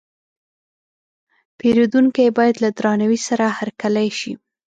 پیرودونکی باید له درناوي سره هرکلی شي.